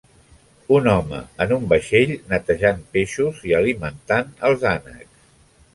Un home en un vaixell netejant peixos i alimentant els ànecs.